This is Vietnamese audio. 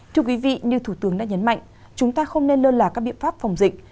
thưa quý vị như thủ tướng đã nhấn mạnh chúng ta không nên lơ là các biện pháp phòng dịch